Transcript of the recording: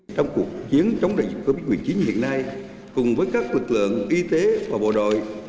trong cuộc chiến chống đại dịch covid một mươi chín hiện nay cùng với các lực lượng y tế và bộ đội